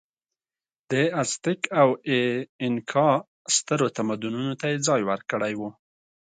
د ازتېک او اینکا سترو تمدنونو ته یې ځای ورکړی و.